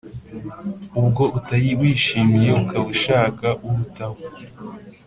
ubwo utawishimiye, ukaba ushaka urutaho